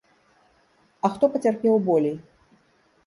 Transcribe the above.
А хто пацярпеў болей?